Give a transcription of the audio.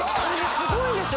すごいんですよ。